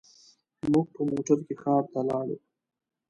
موږ په موټر کې ښار ته لاړو.